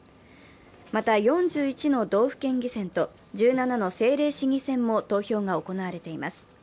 また、４１の道府県議選と１７の政令市議選も投票が行われています。